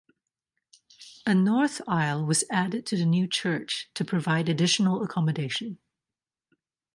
A north aisle was added to the new church to provide additional accommodation.